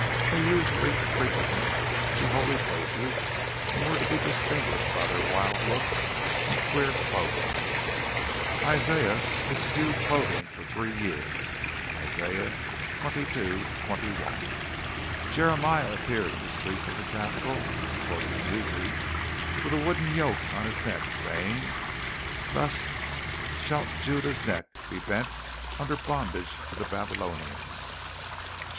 They usually frequented the holy places and were to be distinguished by their wild looks and queer clothing. Isaiah eschewed clothing for three years (Is. 22, 21); Jeremiah appeared in the streets of the capital (according to Muzzey) with a wooden yoke on his neck, saying, "Thus shalt Juda's neck be bent under bondage to the Babylonian" (Jer.